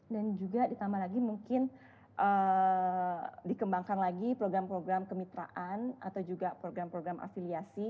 dan juga ditambah lagi mungkin dikembangkan lagi program program kemitraan atau juga program program afiliasi